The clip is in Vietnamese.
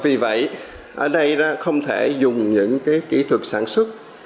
vì vậy ở đây không thể dùng những kỹ thuật sản xuất